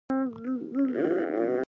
خره په خیال کی د شنېلیو نندارې کړې